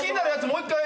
もう１回。